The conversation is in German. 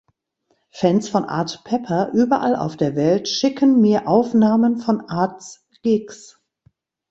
Fans von Art Pepper überall auf der Welt schicken mir Aufnahmen von Arts Gigs.